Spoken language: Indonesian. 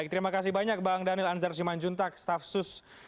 terima kasih pak prabowo